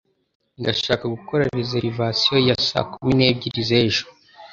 Ndashaka gukora reservation ya saa kumi n'ebyiri z'ejo.